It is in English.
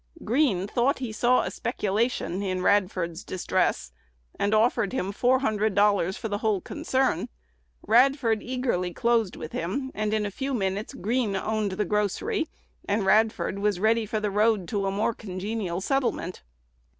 Green thought he saw a speculation in Radford's distress, and offered him four hundred dollars for the whole concern. Radford eagerly closed with him; and in a few minutes Green owned the grocery, and Radford was ready for the road to a more congenial settlement.